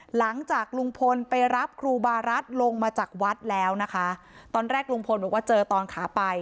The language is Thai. หลังจากลุงพลไปรับครูบารัฐลงมาจากวัดแล้วนะคะตอนแรกลุงพลบอกว่าเจอตอนขาไป